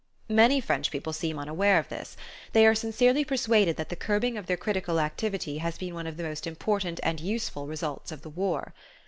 Many French people seem unaware of this. They are sincerely persuaded that the curbing of their critical activity has been one of the most important and useful results of the war.